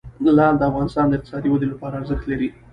لعل د افغانستان د اقتصادي ودې لپاره ارزښت لري.